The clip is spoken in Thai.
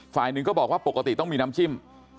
ฝ่ายหนึ่งก็บอกว่าปกติต้องมีน้ำจิ้ม